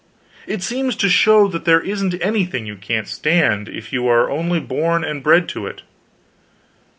It seems to show that there isn't anything you can't stand, if you are only born and bred to it.